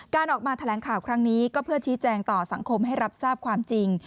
การออกมาแถลงข่าวครั้งนี้ก็เพื่อชี้แจงต่อสังคมให้รับทราบความจริง